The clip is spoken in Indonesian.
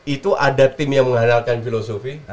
itu ada tim yang mengandalkan filosofi